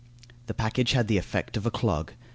The package had the effect of a clog.